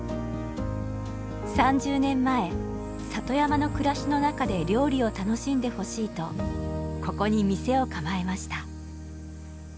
３０年前里山の暮らしの中で料理を楽しんでほしいとここに店を構えました。